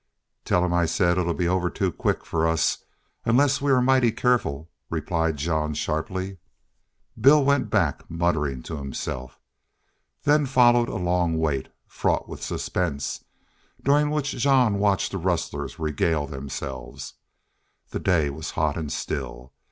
"Tell him I said it'll be over too quick for us unless are mighty careful," replied Jean, sharply. Bill went back muttering to himself. Then followed a long wait, fraught with suspense, during which Jean watched the rustlers regale themselves. The day was hot and still.